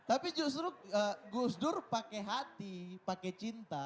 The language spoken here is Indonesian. tapi justru gus dur pakai hati pakai cinta